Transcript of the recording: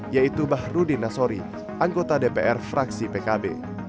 yaitu bahru dinasori anggota dpr fraksi pkb